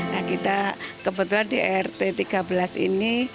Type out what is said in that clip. nah kita kebetulan di rt tiga belas ini